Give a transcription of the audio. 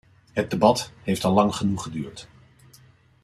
Het debat heeft al lang genoeg geduurd.